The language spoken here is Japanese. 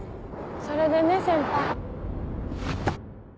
それでね先輩。